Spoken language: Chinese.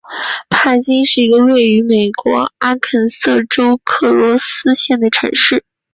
帕金是一个位于美国阿肯色州克罗斯县的城市。